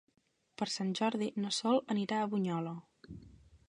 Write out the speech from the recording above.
Per Sant Jordi na Sol anirà a Bunyola.